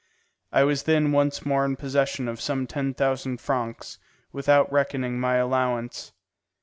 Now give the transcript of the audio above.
I was then once more in possession of some ten thousand francs, without reckoning my allowance.